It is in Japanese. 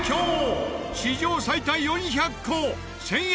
史上最多４００個１０００円